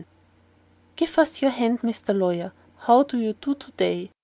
"GIVE US YOUR HAND, MR. LAWYER: HOW DO YOU DO TO DAY?"